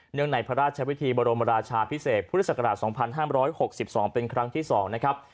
ในพระราชวิธีบรมราชาพิเศษพุทธศักราช๒๕๖๒เป็นครั้งที่๒นะครับ